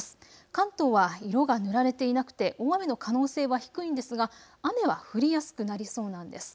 関東は色が塗られていなくて大雨の可能性は低いんですが雨は降りやすくなりそうなんです。